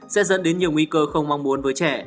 sẽ dẫn đến nhiều nguy cơ không mong muốn với trẻ